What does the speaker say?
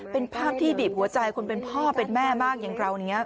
เป็นภาพที่บีบหัวใจคนเป็นพ่อเป็นแม่มากอย่างเรานี้